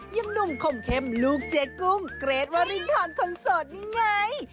อย่างหนุ่มคมเข้มลูกเจ๊กุ้งเกรทวรินทรคนโสดนี่ไง